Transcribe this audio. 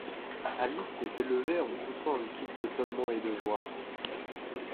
Alice s’était levée en poussant un cri d’étonnement et de joie.